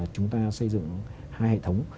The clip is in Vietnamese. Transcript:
chúng ta xây dựng hai hệ thống